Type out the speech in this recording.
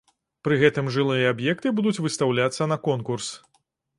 Пры гэтым жылыя аб'екты будуць выстаўляцца на конкурс.